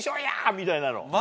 みたいなの。